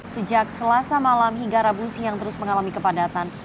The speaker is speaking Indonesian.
sejak selasa malam hingga rabu siang terus mengalami kepadatan